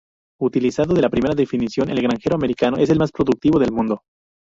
Utilizando la primera definición, el granjero americano es el más productivo del mundo.